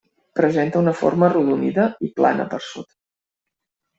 Presenta una forma arrodonida, i plana per sota.